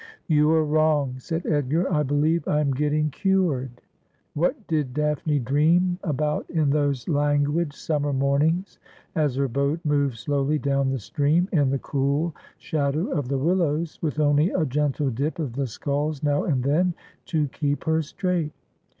' You are wrong,' said Edgar ;' I believe I am getting cured.' What did Daphne dream alDOut in those languid summer mornings, as her boat moved slowly down the stream in the cool shadow of the willows, with only a gentle dip of the sculls now and then to keep her straight